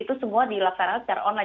itu semua dilaksanakan secara online